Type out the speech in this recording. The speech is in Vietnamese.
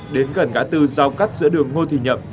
đến gần gã tư giao cắt giữa đường hô thị nhậm